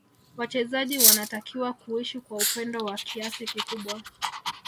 Wachezaji wanatakiwa kuishi kwa upendo wa kiasi kikubwa